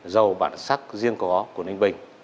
giàu bản sắc riêng có của ninh bình